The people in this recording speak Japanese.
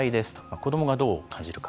子どもがどう感じるか。